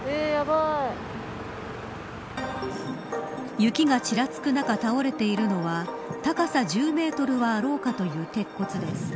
雪が、ちらつく中倒れているのは高さ１０メートルはあろうかという鉄骨です。